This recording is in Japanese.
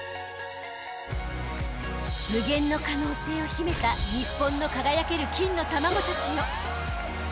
［無限の可能性を秘めた日本の輝ける金の卵たちよ］